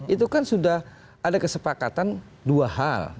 itu kan sudah ada kesepakatan dua hal